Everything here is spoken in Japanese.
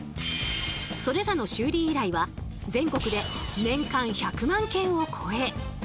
それらの修理依頼は全国で年間１００万件を超え